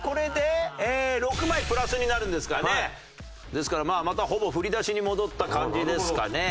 ですからまたほぼ振り出しに戻った感じですかね。